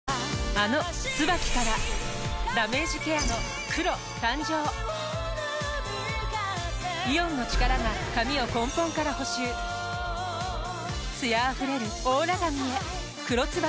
あの「ＴＳＵＢＡＫＩ」からダメージケアの黒誕生イオンの力が髪を根本から補修艶あふれるオーラ髪へ「黒ＴＳＵＢＡＫＩ」